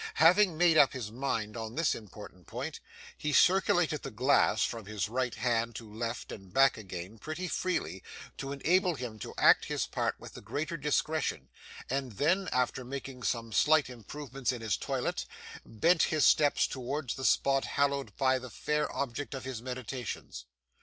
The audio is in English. Having made up his mind on this important point, he circulated the glass (from his right hand to left, and back again) pretty freely, to enable him to act his part with the greater discretion, and then, after making some slight improvements in his toilet, bent his steps towards the spot hallowed by the fair object of his meditations.